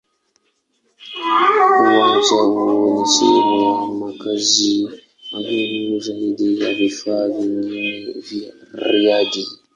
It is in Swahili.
Uwanja huo ni sehemu ya makazi magumu zaidi ya vifaa vingine vya riadha.